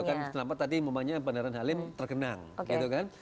kenapa tadi memangnya bundaran halim tergenang